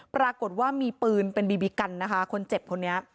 ปรากฏว่ามีปืนเป็นบีบีกันนะคะคนเจ็บคนนี้